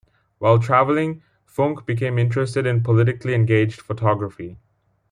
While travelling, Funke became interested in politically engaged photography.